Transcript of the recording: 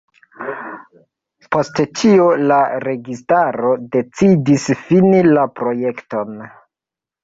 Post tio, la registaro decidis fini la projekton.